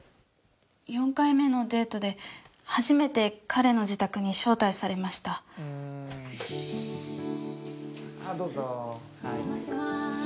４回目のデートで初めて彼の自宅に招待されましたさあどうぞお邪魔します